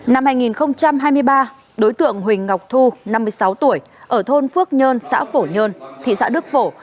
năm hai nghìn hai mươi ba đối tượng huỳnh ngọc thu năm mươi sáu tuổi ở thôn phước nhơn xã phổ nhơn thị xã đức phổ